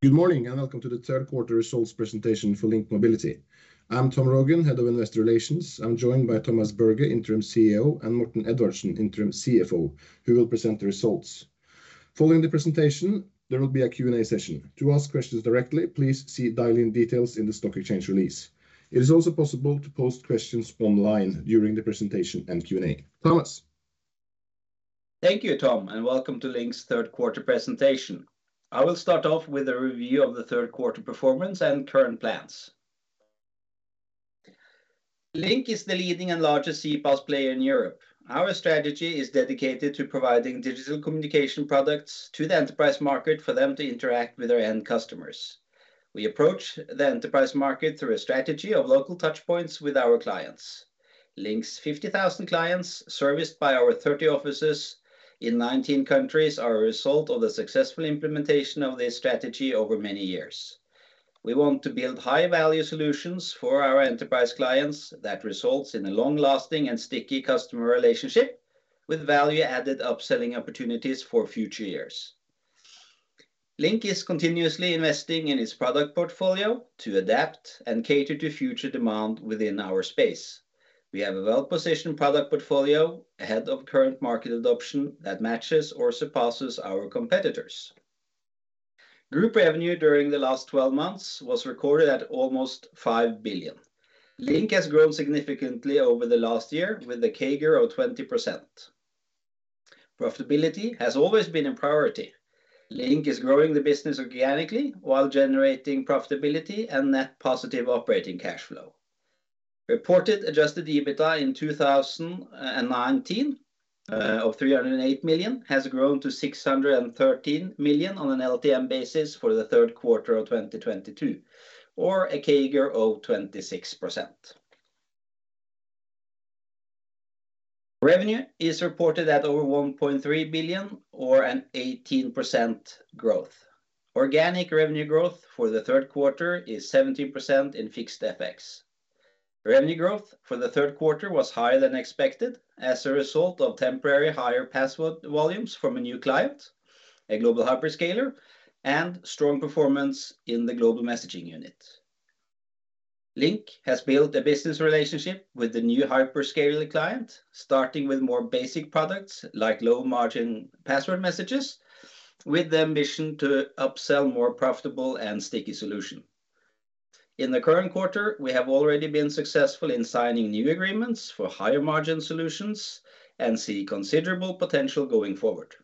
Good morning, and welcome to the third quarter results presentation for Link Mobility. I'm Tom Rogn, head of Investor Relations. I'm joined by Thomas Berge, Interim CEO, and Morten Edvardsen, Interim CFO, who will present the results. Following the presentation, there will be a Q&A session. To ask questions directly, please see dial-in details in the stock exchange release. It is also possible to post questions online during the presentation and Q&A. Thomas. Thank you, Tom, and welcome to Link's third quarter presentation. I will start off with a review of the third quarter performance and current plans. Link is the leading and largest CPaaS player in Europe. Our strategy is dedicated to providing digital communication products to the enterprise market for them to interact with their end customers. We approach the enterprise market through a strategy of local touchpoints with our clients. Link's 50,000 clients, serviced by our 30 offices in 19 countries, are a result of the successful implementation of this strategy over many years. We want to build high-value solutions for our enterprise clients that results in a long-lasting and sticky customer relationship, with value-added upselling opportunities for future years. Link is continuously investing in its product portfolio to adapt and cater to future demand within our space. We have a well-positioned product portfolio ahead of current market adoption that matches or surpasses our competitors. Group revenue during the last 12 months was recorded at almost 5 billion. Link has grown significantly over the last year with a CAGR of 20%. Profitability has always been a priority. Link is growing the business organically while generating profitability and net positive operating cash flow. Reported adjusted EBITDA in 2019 of 308 million has grown to 613 million on an LTM basis for the third quarter of 2022, or a CAGR of 26%. Revenue is reported at over 1.3 billion or an 18% growth. Organic revenue growth for the third quarter is 17% in fixed FX. Revenue growth for the third quarter was higher than expected as a result of temporary higher password volumes from a new client, a global hyperscaler, and strong performance in the global messaging unit. Link has built a business relationship with the new hyperscaler client, starting with more basic products, like low-margin password messages, with the ambition to upsell more profitable and sticky solution. In the current quarter, we have already been successful in signing new agreements for higher-margin solutions and see considerable potential going forward.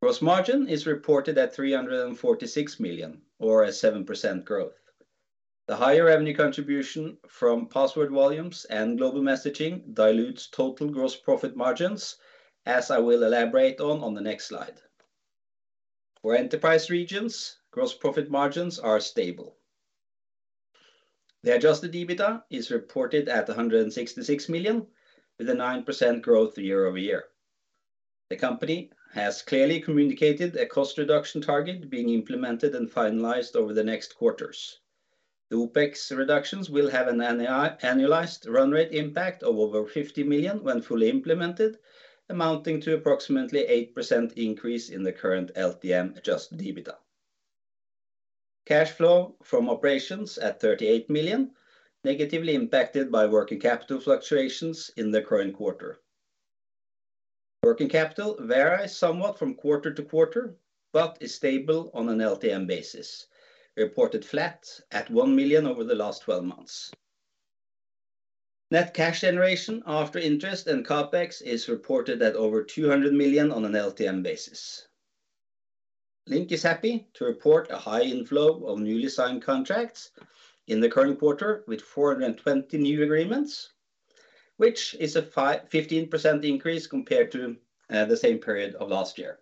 Gross margin is reported at 346 million or a 7% growth. The higher revenue contribution from password volumes and global messaging dilutes total gross profit margins, as I will elaborate on the next slide. For enterprise regions, gross profit margins are stable. The adjusted EBITDA is reported at 166 million, with a 9% growth year-over-year. The company has clearly communicated a cost reduction target being implemented and finalized over the next quarters. The OpEx reductions will have an annualized run rate impact of over 50 million when fully implemented, amounting to approximately 8% increase in the current LTM adjusted EBITDA. Cash flow from operations at 38 million, negatively impacted by working capital fluctuations in the current quarter. Working capital varies somewhat from quarter to quarter, but is stable on an LTM basis, reported flat at 1 million over the last 12 months. Net cash generation after interest and CapEx is reported at over 200 million on an LTM basis. Link is happy to report a high inflow of newly signed contracts in the current quarter with 420 new agreements, which is a 15% increase compared to the same period of last year.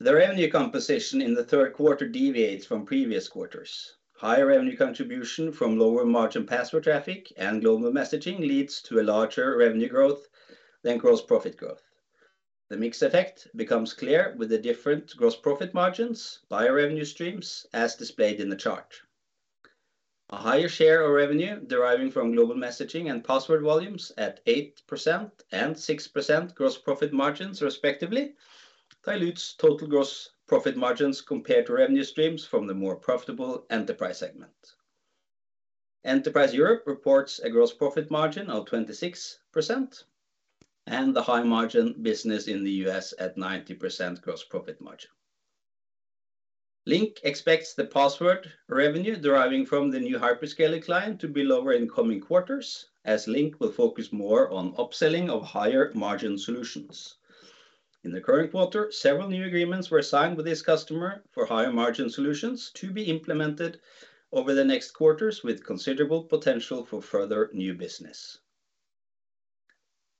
The revenue composition in the third quarter deviates from previous quarters. Higher revenue contribution from lower-margin password traffic and global messaging leads to a larger revenue growth than gross profit growth. The mix effect becomes clear with the different gross profit margins by revenue streams, as displayed in the chart. A higher share of revenue deriving from global messaging and password volumes at 8% and 6% gross profit margins respectively dilutes total gross profit margins compared to revenue streams from the more profitable enterprise segment. Enterprise Europe reports a gross profit margin of 26%, and the high-margin business in the U.S. at 90% gross profit margin. Link expects the password revenue deriving from the new hyperscaler client to be lower in coming quarters, as Link will focus more on upselling of higher-margin solutions. In the current quarter, several new agreements were signed with this customer for higher-margin solutions to be implemented over the next quarters, with considerable potential for further new business.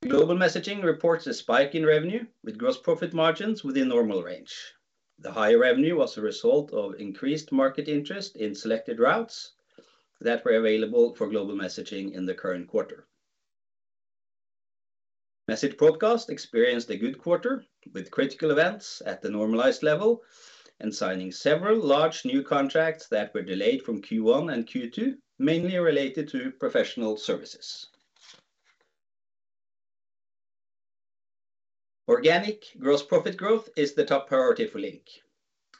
Global Messaging reports a spike in revenue with gross profit margins within normal range. The higher revenue was a result of increased market interest in selected routes that were available for Global Messaging in the current quarter. Message Broadcast experienced a good quarter with critical events at the normalized level and signing several large new contracts that were delayed from Q1 and Q2, mainly related to professional services. Organic gross profit growth is the top priority for Link.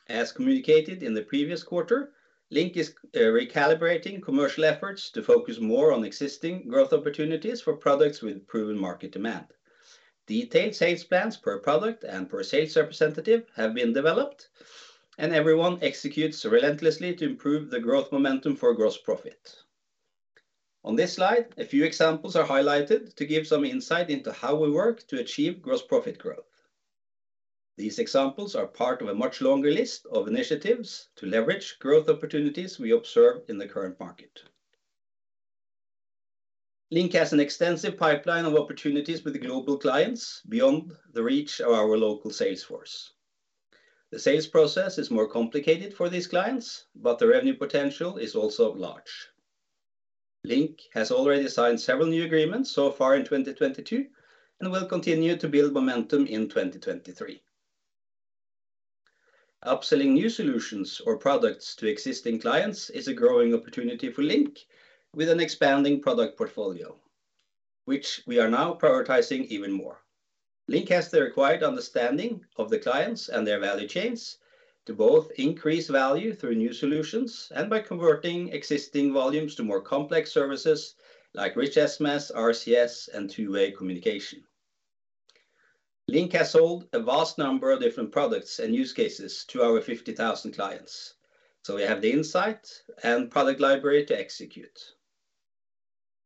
As communicated in the previous quarter, Link is recalibrating commercial efforts to focus more on existing growth opportunities for products with proven market demand. Detailed sales plans per product and per sales representative have been developed, and everyone executes relentlessly to improve the growth momentum for gross profit. On this slide, a few examples are highlighted to give some insight into how we work to achieve gross profit growth. These examples are part of a much longer list of initiatives to leverage growth opportunities we observe in the current market. Link has an extensive pipeline of opportunities with global clients beyond the reach of our local sales force. The sales process is more complicated for these clients, but the revenue potential is also large. Link has already signed several new agreements so far in 2022 and will continue to build momentum in 2023. Upselling new solutions or products to existing clients is a growing opportunity for Link with an expanding product portfolio, which we are now prioritizing even more. Link has the required understanding of the clients and their value chains to both increase value through new solutions and by converting existing volumes to more complex services like rich SMS, RCS, and two-way communication. Link has sold a vast number of different products and use cases to our 50,000 clients, so we have the insight and product library to execute.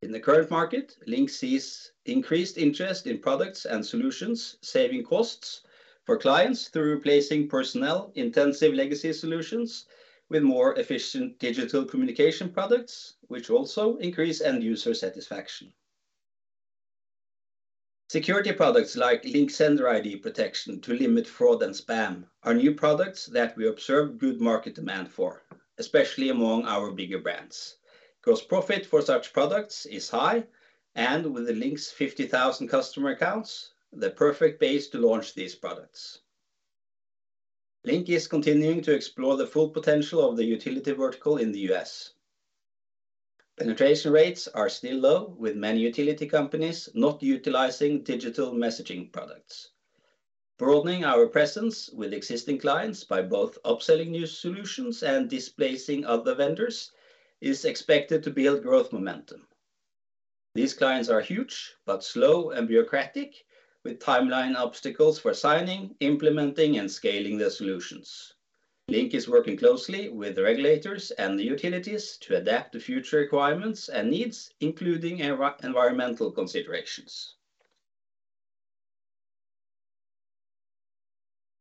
In the current market, Link sees increased interest in products and solutions, saving costs for clients through replacing personnel-intensive legacy solutions with more efficient digital communication products, which also increase end-user satisfaction. Security products like Link Sender ID Protection to limit fraud and spam are new products that we observe good market demand for, especially among our bigger brands. Gross profit for such products is high and with Link's 50,000 customer accounts, the perfect base to launch these products. Link is continuing to explore the full potential of the utility vertical in the U.S. Penetration rates are still low with many utility companies not utilizing digital messaging products. Broadening our presence with existing clients by both upselling new solutions and displacing other vendors is expected to build growth momentum. These clients are huge but slow and bureaucratic with timeline obstacles for signing, implementing, and scaling the solutions. Link is working closely with the regulators and the utilities to adapt to future requirements and needs, including environmental considerations.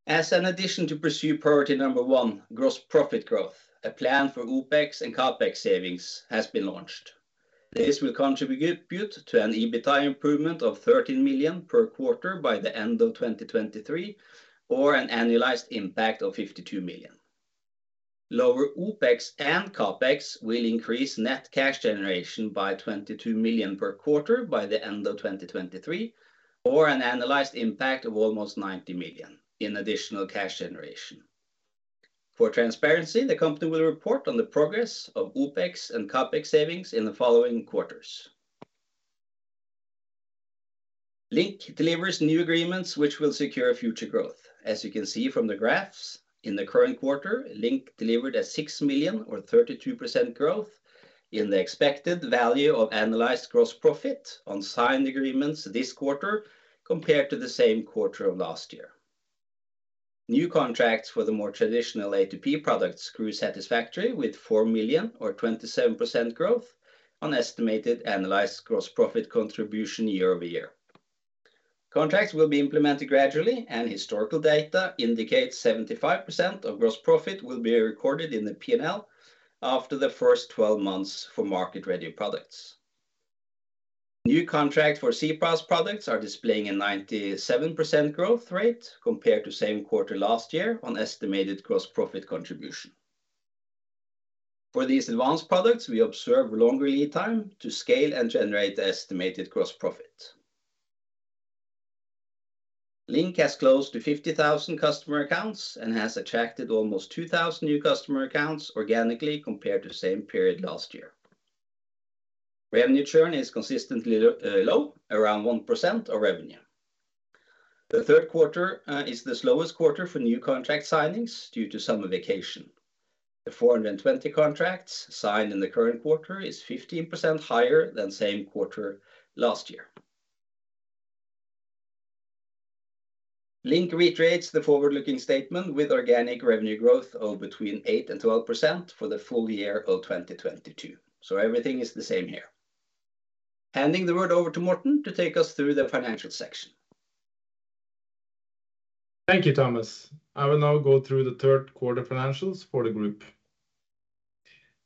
As an addition to pursue priority number one, gross profit growth, a plan for OpEx and CapEx savings has been launched. This will contribute to an EBITDA improvement of 13 million per quarter by the end of 2023 or an annualized impact of 52 million. Lower OpEx and CapEx will increase net cash generation by 22 million per quarter by the end of 2023 or an annualized impact of almost 90 million in additional cash generation. For transparency, the company will report on the progress of OpEx and CapEx savings in the following quarters. Link delivers new agreements which will secure future growth. As you can see from the graphs, in the current quarter, Link delivered a 6 million or 32% growth in the expected value of annualized gross profit on signed agreements this quarter compared to the same quarter of last year. New contracts for the more traditional A2P products grew satisfactorily with 4 million or 27% growth on estimated annualized gross profit contribution year-over-year. Contracts will be implemented gradually, and historical data indicates 75% of gross profit will be recorded in the P&L after the first 12 months for market-ready products. New contracts for CPaaS products are displaying a 97% growth rate compared to same quarter last year on estimated gross profit contribution. For these advanced products, we observe longer lead time to scale and generate the estimated gross profit. Link has close to 50,000 customer accounts and has attracted almost 2,000 new customer accounts organically compared to same period last year. Revenue churn is consistently low, around 1% of revenue. The third quarter is the slowest quarter for new contract signings due to summer vacation. The 420 contracts signed in the current quarter are 15% higher than same quarter last year. Link reiterates the forward-looking statement with organic revenue growth of between 8% and 12% for the full year of 2022. Everything is the same here. Handing the word over to Morten to take us through the financial section. Thank you, Thomas. I will now go through the third quarter financials for the group.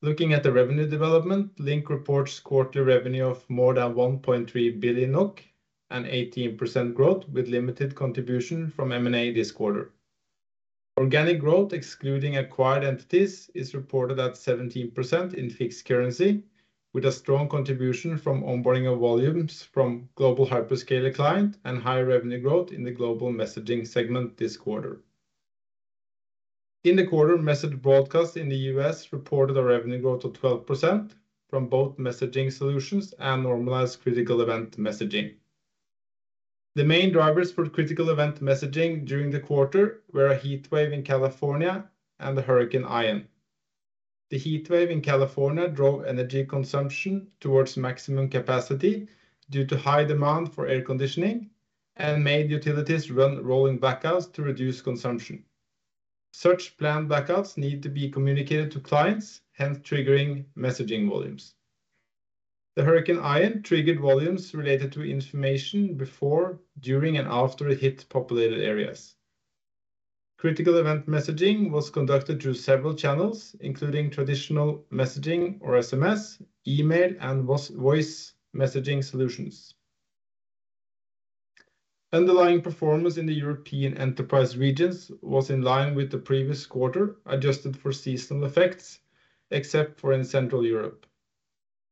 Looking at the revenue development, Link reports quarterly revenue of more than 1.3 billion NOK and 18% growth with limited contribution from M&A this quarter. Organic growth excluding acquired entities is reported at 17% in fixed currency, with a strong contribution from onboarding of volumes from global hyperscaler client and high revenue growth in the global messaging segment this quarter. In the quarter, Message Broadcast in the U.S. reported a revenue growth of 12% from both messaging solutions and normalized critical event messaging. The main drivers for critical event messaging during the quarter were a heat wave in California and the Hurricane Ian. The heat wave in California drove energy consumption towards maximum capacity due to high demand for air conditioning and made utilities run rolling blackouts to reduce consumption. Such planned blackouts need to be communicated to clients, hence triggering messaging volumes. The Hurricane Ian triggered volumes related to information before, during, and after it hit populated areas. Critical event messaging was conducted through several channels, including traditional messaging or SMS, email, and voice messaging solutions. Underlying performance in the European enterprise regions was in line with the previous quarter, adjusted for seasonal effects, except for in Central Europe.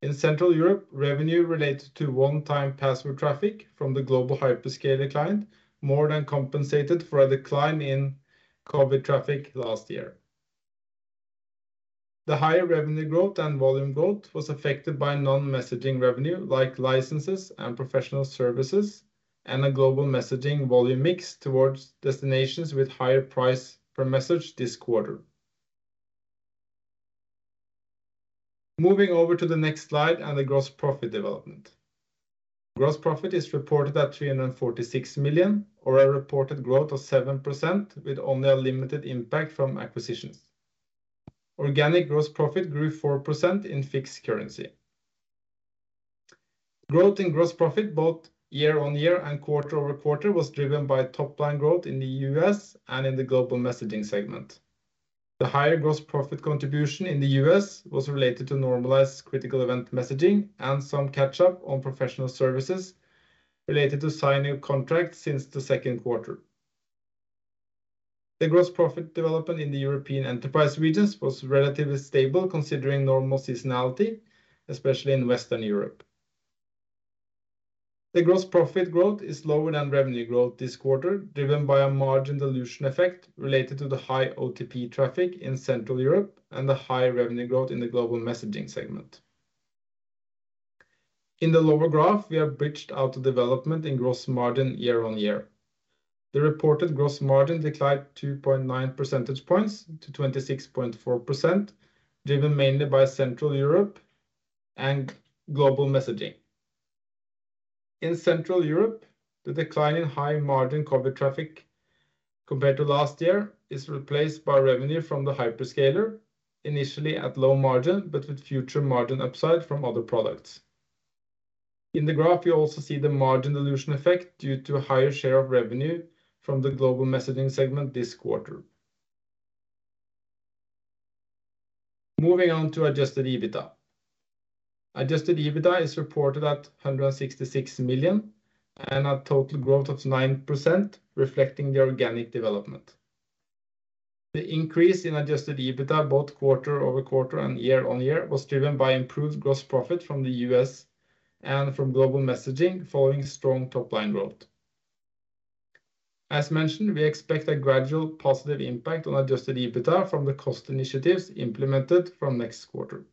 In Central Europe, revenue related to one-time password traffic from the global hyperscaler client more than compensated for a decline in COVID traffic last year. The higher revenue growth and volume growth was affected by non-messaging revenue, like licenses and professional services, and a global messaging volume mix towards destinations with higher price per message this quarter. Moving over to the next slide and the gross profit development. Gross profit is reported at 346 million, or a reported growth of 7% with only a limited impact from acquisitions. Organic gross profit grew 4% in fixed currency. Growth in gross profit both year-on-year and quarter-over-quarter was driven by top-line growth in the U.S. and in the global messaging segment. The higher gross profit contribution in the U.S. was related to normalized critical event messaging and some catch-up on professional services related to signing contracts since the second quarter. The gross profit development in the European enterprise regions was relatively stable considering normal seasonality, especially in Western Europe. The gross profit growth is lower than revenue growth this quarter, driven by a margin dilution effect related to the high OTP traffic in Central Europe and the higher revenue growth in the global messaging segment. In the lower graph, we have bridged out the development in gross margin year-on-year. The reported gross margin declined 2.9 percentage points to 26.4%, driven mainly by Central Europe and global messaging. In Central Europe, the decline in high-margin COVID traffic compared to last year is replaced by revenue from the hyperscaler, initially at low margin, but with future margin upside from other products. In the graph, you also see the margin dilution effect due to a higher share of revenue from the global messaging segment this quarter. Moving on to adjusted EBITDA. Adjusted EBITDA is reported at 166 million and a total growth of 9%, reflecting the organic development. The increase in adjusted EBITDA both quarter-over-quarter and year-on-year was driven by improved gross profit from the US and from global messaging following strong top-line growth. As mentioned, we expect a gradual positive impact on adjusted EBITDA from the cost initiatives implemented from next quarter.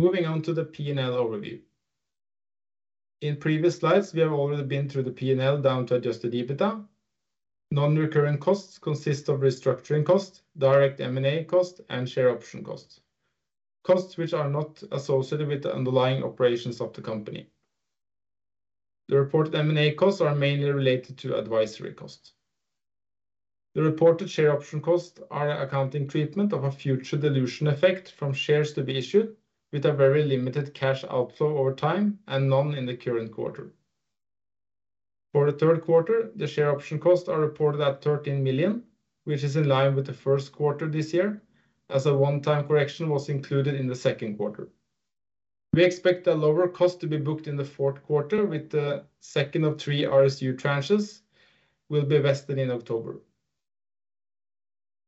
Moving on to the P&L overview. In previous slides, we have already been through the P&L down to adjusted EBITDA. Non-recurring costs consist of restructuring costs, direct M&A costs, and share option costs which are not associated with the underlying operations of the company. The reported M&A costs are mainly related to advisory costs. The reported share option costs are accounting treatment of a future dilution effect from shares to be issued with a very limited cash outflow over time and none in the current quarter. For the third quarter, the share option costs are reported at 13 million, which is in line with the first quarter this year, as a one-time correction was included in the second quarter. We expect a lower cost to be booked in the fourth quarter, with the second of three RSU tranches will be vested in October.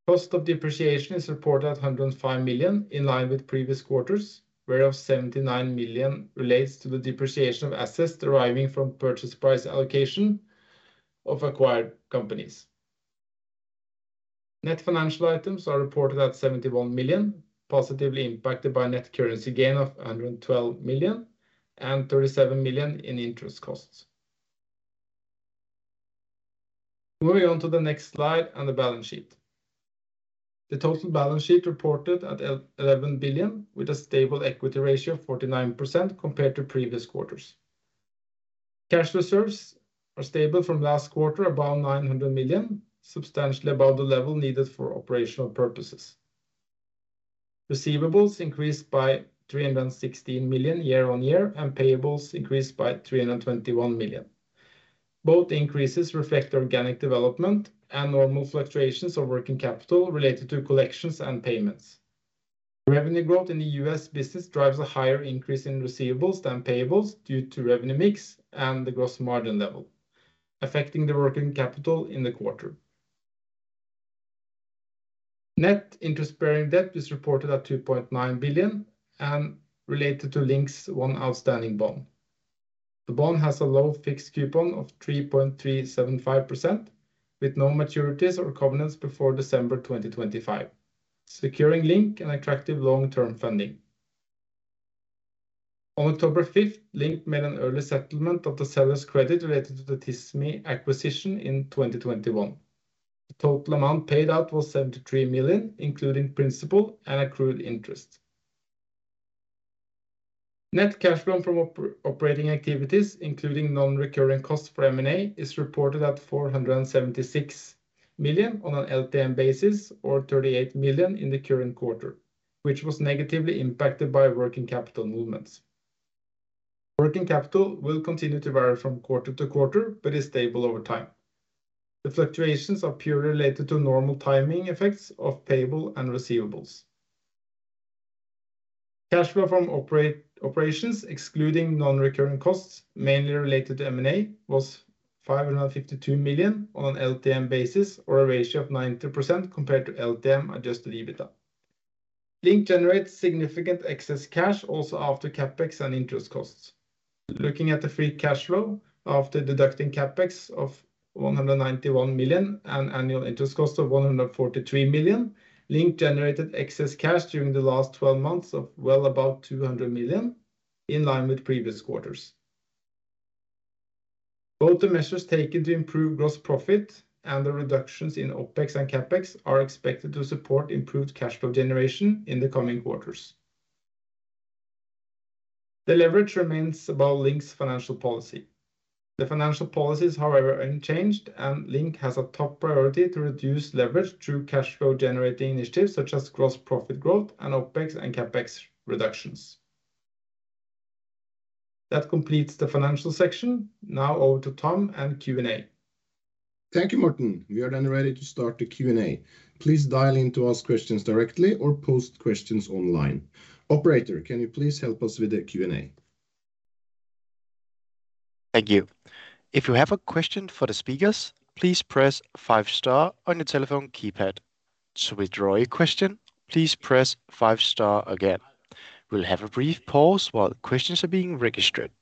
Cost of depreciation is reported at 105 million, in line with previous quarters, whereof 79 million relates to the depreciation of assets deriving from purchase price allocation of acquired companies. Net financial items are reported at 71 million, positively impacted by net currency gain of 112 million and 37 million in interest costs. Moving on to the next slide and the balance sheet. The total balance sheet reported at 11 billion with a stable equity ratio of 49% compared to previous quarters. Cash reserves are stable from last quarter, about 900 million, substantially above the level needed for operational purposes. Receivables increased by 316 million year-on-year, and payables increased by 321 million. Both increases reflect organic development and normal fluctuations of working capital related to collections and payments. Revenue growth in the US business drives a higher increase in receivables than payables due to revenue mix and the gross margin level, affecting the working capital in the quarter. Net interest-bearing debt is reported at 2.9 billion and related to Link's one outstanding bond. The bond has a low fixed coupon of 3.375% with no maturities or covenants before December 2025, securing Link an attractive long-term funding. On October fifth, Link made an early settlement of the seller's credit related to the Tismi acquisition in 2021. The total amount paid out was 73 million, including principal and accrued interest. Net cash flow from operating activities, including non-recurring costs for M&A, is reported at 476 million on an LTM basis or 38 million in the current quarter, which was negatively impacted by working capital movements. Working capital will continue to vary from quarter to quarter but is stable over time. The fluctuations are purely related to normal timing effects of payable and receivables. Cash flow from operations, excluding non-recurring costs, mainly related to M&A, was 552 million on an LTM basis or a ratio of 90% compared to LTM adjusted EBITDA. Link generates significant excess cash also after CapEx and interest costs. Looking at the free cash flow after deducting CapEx of 191 million and annual interest cost of 143 million, Link generated excess cash during the last twelve months of well above 200 million, in line with previous quarters. Both the measures taken to improve gross profit and the reductions in OpEx and CapEx are expected to support improved cash flow generation in the coming quarters. The leverage remains above Link's financial policy. The financial policies, however, unchanged and Link has a top priority to reduce leverage through cash flow generating initiatives such as gross profit growth and OpEx and CapEx reductions. That completes the financial section. Now over to Tom and Q&A. Thank you, Morten. We are ready to start the Q&A. Please dial in to ask questions directly or post questions online. Operator, can you please help us with the Q&A? Thank you. If you have a question for the speakers, please press five star on your telephone keypad. To withdraw your question, please press five star again. We'll have a brief pause while the questions are being registered.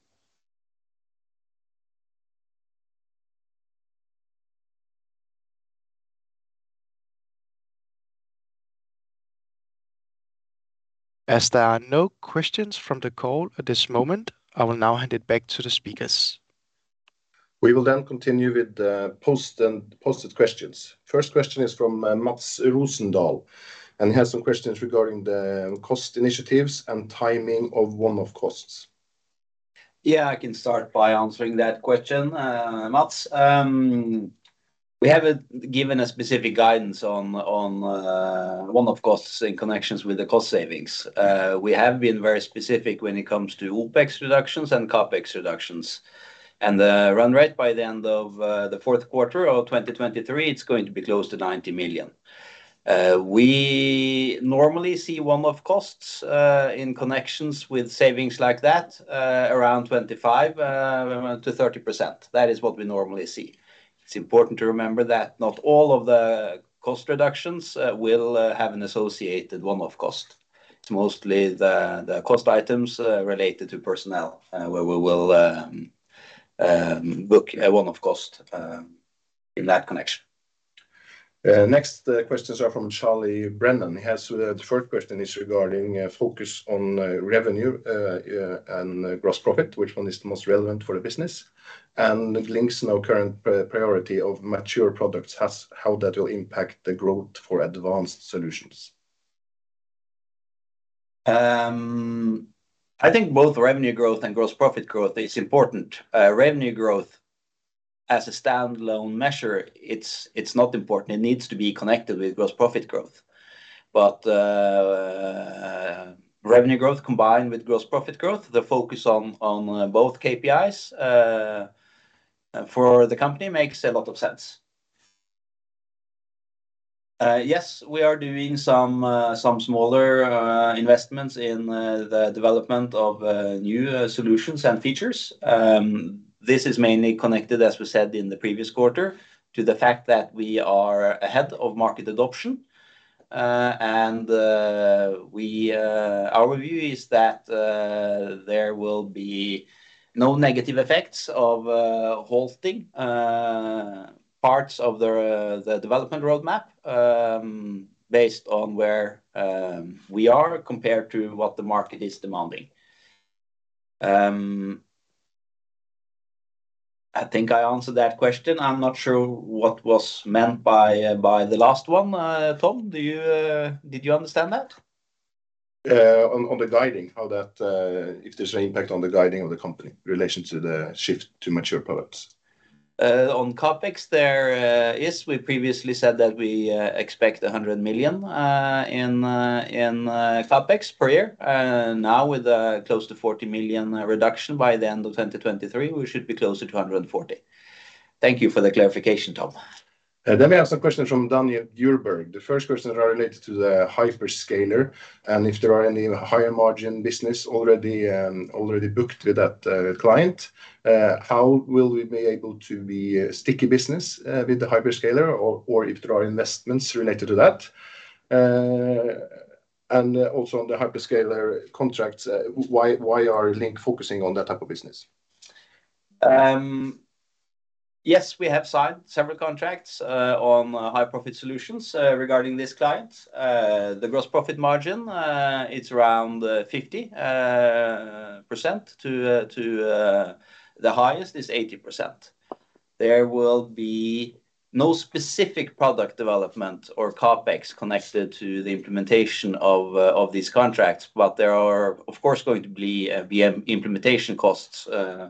As there are no questions from the call at this moment, I will now hand it back to the speakers. We will then continue with the posted questions. First question is from Mats Rosendahl, and he has some questions regarding the cost initiatives and timing of one-off costs. Yeah, I can start by answering that question, Mats. We haven't given a specific guidance on one-off costs in connections with the cost savings. We have been very specific when it comes to OpEx reductions and CapEx reductions. The run rate by the end of the fourth quarter of 2023, it's going to be close to 90 million. We normally see one-off costs in connections with savings like that around 25%-30%. That is what we normally see. It's important to remember that not all of the cost reductions will have an associated one-off cost. It's mostly the cost items related to personnel where we will book a one-off cost in that connection. Next, the questions are from Charlie Brennan. He has the third question regarding focus on revenue and gross profit, which one is the most relevant for the business, and if Link's now current priority of mature products has how that will impact the growth for advanced solutions. I think both revenue growth and gross profit growth is important. Revenue growth as a standalone measure, it's not important. It needs to be connected with gross profit growth. Revenue growth combined with gross profit growth, the focus on both KPIs for the company makes a lot of sense. Yes, we are doing some smaller investments in the development of new solutions and features. This is mainly connected, as we said in the previous quarter, to the fact that we are ahead of market adoption. Our view is that there will be no negative effects of halting parts of the development roadmap, based on where we are compared to what the market is demanding. I think I answered that question. I'm not sure what was meant by the last one. Tom, did you understand that? On the guidance, if there's any impact on the guidance of the company in relation to the shift to mature products? On CapEx, we previously said that we expect 100 million in CapEx per year. Now with close to 40 million reduction by the end of 2023, we should be closer to 140 million. Thank you for the clarification, Tom. We have some questions from Daniel Djurberg. The first question are related to the hyperscaler, and if there are any higher margin business already booked with that client, how will we be able to be sticky business with the hyperscaler or if there are investments related to that. And also on the hyperscaler contracts, why are Link focusing on that type of business? Yes, we have signed several contracts on high profit solutions regarding this client. The gross profit margin, it's around 50% to the highest is 80%. There will be no specific product development or CapEx connected to the implementation of these contracts, but there are, of course, going to be VM implementation costs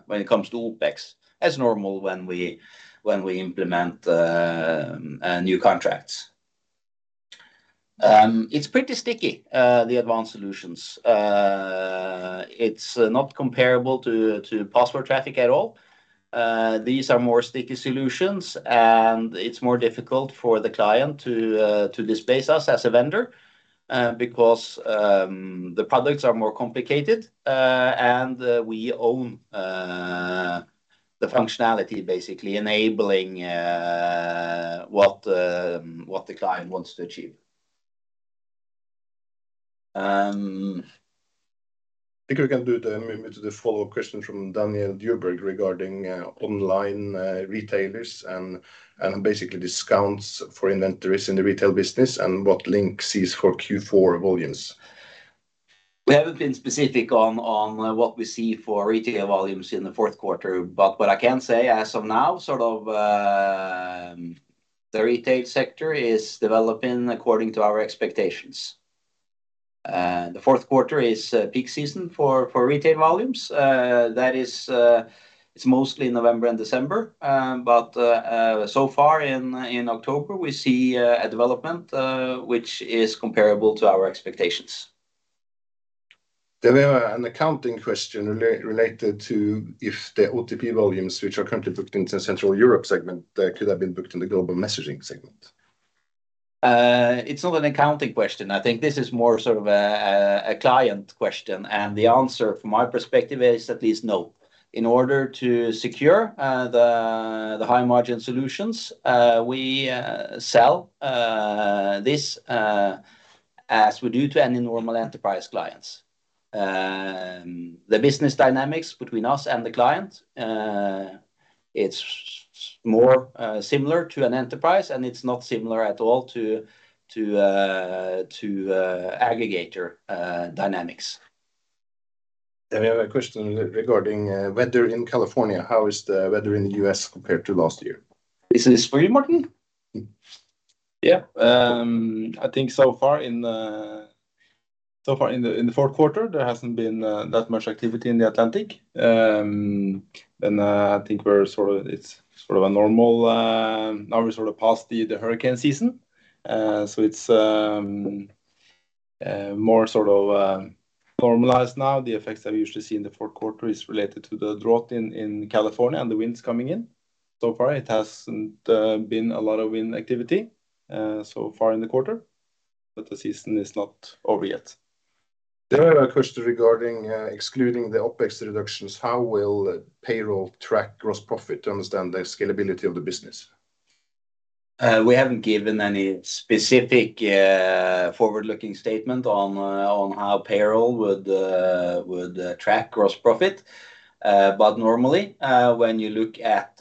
when it comes to OpEx, as normal when we implement new contracts. It's pretty sticky, the advanced solutions. It's not comparable to password traffic at all. These are more sticky solutions, and it's more difficult for the client to displace us as a vendor because the products are more complicated, and we own the functionality basically enabling what the client wants to achieve. I think we can do then maybe to the follow-up question from Daniel Djurberg regarding online retailers and basically discounts for inventories in the retail business and what Link sees for Q4 volumes. We haven't been specific on what we see for retail volumes in the fourth quarter. What I can say as of now, sort of, the retail sector is developing according to our expectations. The fourth quarter is a peak season for retail volumes. That is, it's mostly November and December. So far in October, we see a development which is comparable to our expectations. We have an accounting question related to if the OTP volumes, which are currently booked into Central Europe segment, could have been booked in the global messaging segment. It's not an accounting question. I think this is more sort of a client question, and the answer from my perspective is at least no. In order to secure the high-margin solutions, we sell this as we do to any normal enterprise clients. The business dynamics between us and the client, it's more similar to an enterprise, and it's not similar at all to aggregator dynamics. We have a question regarding weather in California. How is the weather in the U.S. compared to last year? Is this for you, Morten? Yeah. I think so far in the fourth quarter, there hasn't been that much activity in the Atlantic. I think it's sort of a normal now we're sort of past the hurricane season. It's more sort of normalized now. The effects I usually see in the fourth quarter is related to the drought in California and the winds coming in. So far it hasn't been a lot of wind activity so far in the quarter, but the season is not over yet. There is a question regarding excluding the OpEx reductions, how will payroll track gross profit to understand the scalability of the business? We haven't given any specific forward-looking statement on how payroll would track gross profit. Normally, when you look at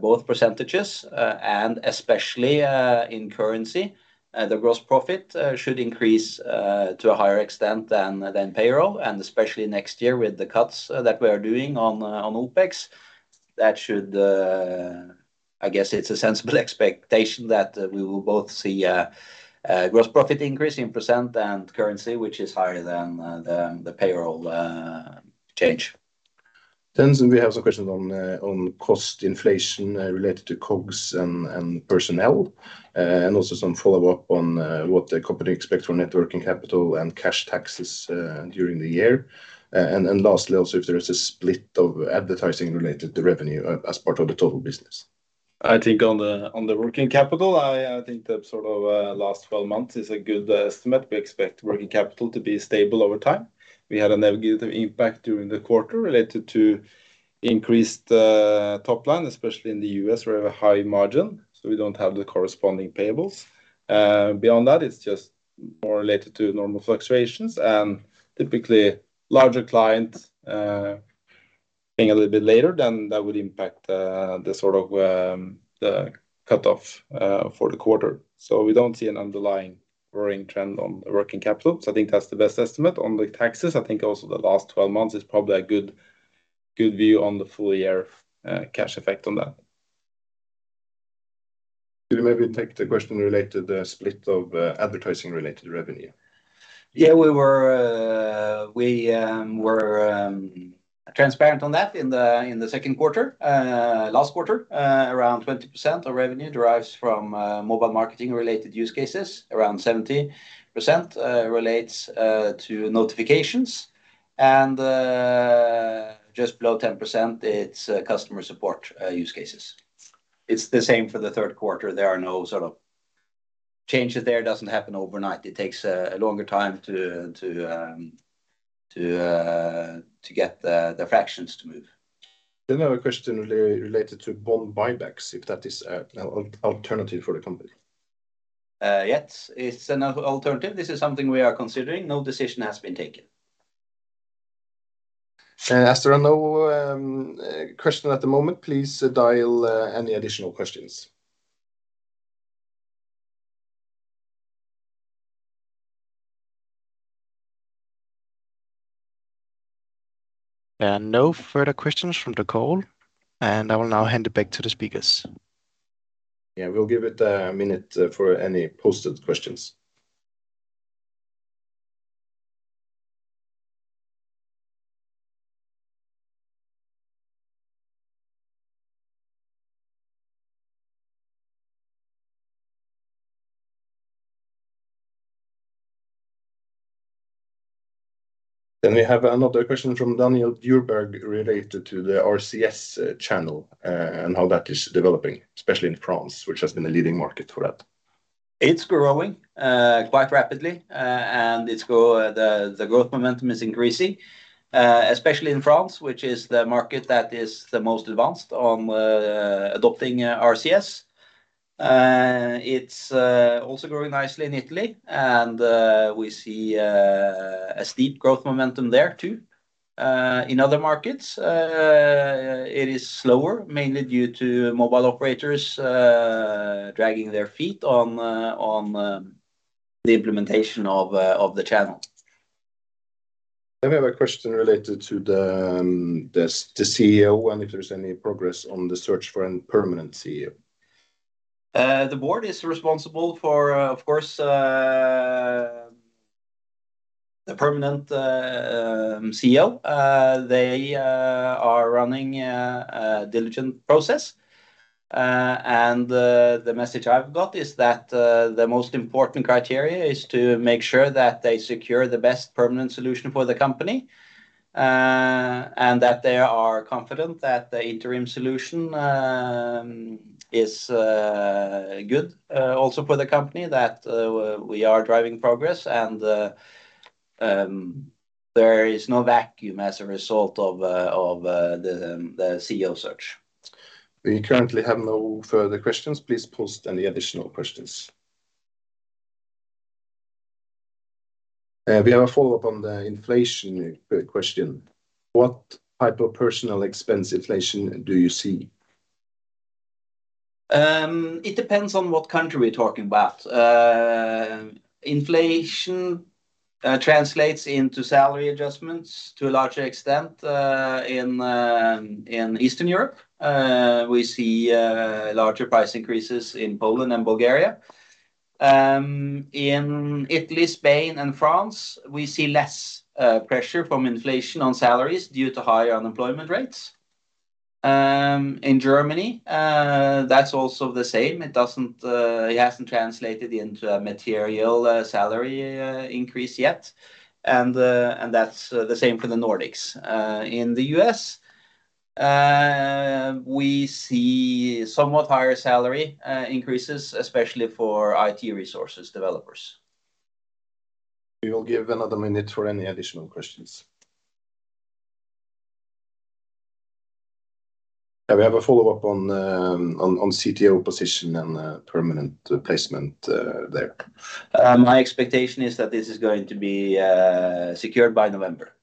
both percentages and especially in currency, the gross profit should increase to a higher extent than payroll, and especially next year with the cuts that we are doing on OpEx. That should, I guess it's a sensible expectation that we will both see a gross profit increase in percent and currency, which is higher than the payroll change. We have some questions on cost inflation related to COGS and personnel, and also some follow-up on what the company expects for working capital and cash taxes during the year, and lastly, also if there is a split of advertising related to revenue as part of the total business. I think on the working capital, I think last 12 months is a good estimate. We expect working capital to be stable over time. We had a negative impact during the quarter related to increased top line, especially in the U.S. We have a high margin, so we don't have the corresponding payables. Beyond that, it's just more related to normal fluctuations and typically larger client paying a little bit later than that would impact the cutoff for the quarter. We don't see an underlying growing trend on the working capital. I think that's the best estimate. On the taxes, I think also the last 12 months is probably a good view on the full year cash effect on that. Could you maybe take the question related to the split of, advertising related revenue? Yeah, we were transparent on that in the second quarter. Last quarter, around 20% of revenue derives from mobile marketing related use cases. Around 70% relates to notifications and just below 10%, it's customer support use cases. It's the same for the third quarter. There are no sort of changes there. It doesn't happen overnight. It takes a longer time to get the fractions to move. I have a question related to bond buybacks, if that is an alternative for the company. Yes, it's an alternative. This is something we are considering. No decision has been taken. As there are no questions at the moment, please dial any additional questions. There are no further questions from the call, and I will now hand it back to the speakers. Yeah, we'll give it a minute for any posted questions. We have another question from Daniel Djurberg related to the RCS channel and how that is developing, especially in France, which has been a leading market for that. It's growing quite rapidly, and the growth momentum is increasing, especially in France, which is the market that is the most advanced on adopting RCS. It's also growing nicely in Italy and we see a steep growth momentum there too. In other markets, it is slower, mainly due to mobile operators dragging their feet on the implementation of the channel. We have a question related to the CEO and if there's any progress on the search for a permanent CEO. The board is responsible for, of course, the permanent CEO. They are running a diligent process. The message I've got is that the most important criteria is to make sure that they secure the best permanent solution for the company, and that they are confident that the interim solution is good also for the company. We are driving progress and there is no vacuum as a result of the CEO search. We currently have no further questions. Please post any additional questions. We have a follow-up on the inflation question. What type of personal expense inflation do you see? It depends on what country we're talking about. Inflation translates into salary adjustments to a larger extent in Eastern Europe. We see larger price increases in Poland and Bulgaria. In Italy, Spain and France, we see less pressure from inflation on salaries due to higher unemployment rates. In Germany, that's also the same. It hasn't translated into a material salary increase yet, and that's the same for the Nordics. In the U.S., we see somewhat higher salary increases, especially for IT resources developers. We will give another minute for any additional questions. Yeah. We have a follow-up on CTO position and permanent placement there. My expectation is that this is going to be secured by November.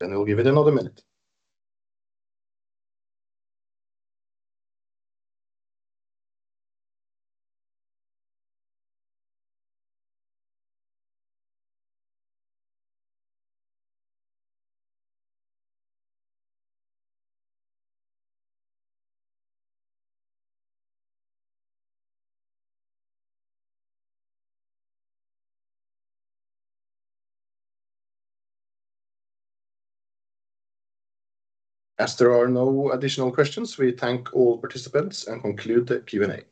We'll give it another minute. As there are no additional questions, we thank all participants and conclude the Q&A.